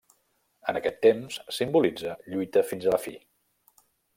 En aquest temps simbolitza lluita fins a la fi.